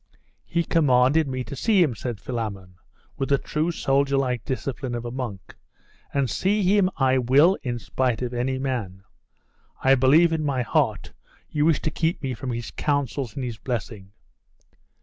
'He commanded me to see him,' said Philammon, with the true soldierlike discipline of a monk; 'and see him I will in spite of any man. I believe in my heart you wish to keep me from his counsels and his blessing.